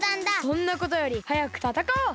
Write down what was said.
そんなことよりはやくたたかおう！